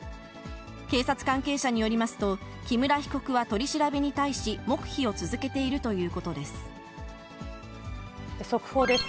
警察関係者によりますと、木村被告は取り調べに対し、黙秘を続け速報です。